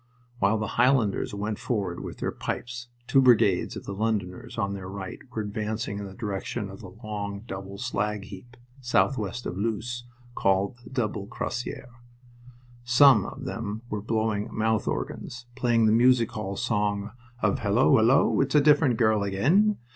While the Highlanders went forward with their pipes, two brigades of the Londoners, on their right, were advancing in the direction of the long, double slag heap, southwest of Loos, called the Double Crassier. Some of them were blowing mouth organs, playing the music hall song of "Hullo, hullo, it's a different girl again!"